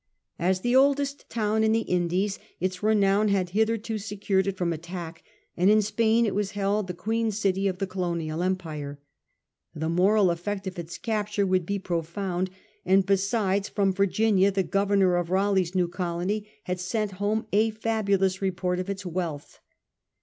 As the oldest town in the Indies, its renown had hitherto secured it from attack, and in Spain it was held the queen city of the colonial empire. The moral effect of its capture would be pro found, and besides, from Virginia the governor of Saleigh's new colony had sent home a fabulous report of its wealth.